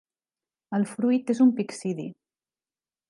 El fruit és un pixidi.